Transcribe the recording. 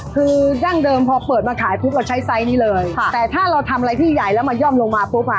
คือดั้งเดิมพอเปิดมาขายปุ๊บเราใช้ไซส์นี้เลยค่ะแต่ถ้าเราทำอะไรที่ใหญ่แล้วมาย่อมลงมาปุ๊บอ่ะ